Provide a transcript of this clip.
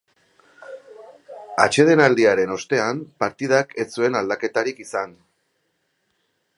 Atsedenaldiaren ostean, partidak ez zuen aldaketarik izan.